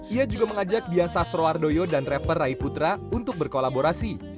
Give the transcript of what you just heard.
ia juga mengajak diasa srowardoyo dan rapper rai putra untuk berkolaborasi